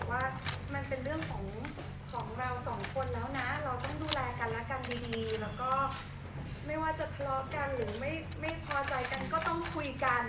แล้วก็ไม่ว่าจะทะเลาะกันหรือไม่พอใจกันก็ต้องคุยกัน